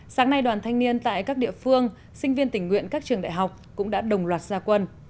sáng nay đoàn thanh niên tại các địa phương sinh viên tình nguyện các trường đại học cũng đã đồng loạt gia quân